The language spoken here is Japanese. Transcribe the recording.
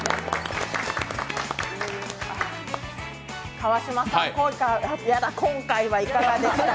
川島さん、今回はいかがでしたか？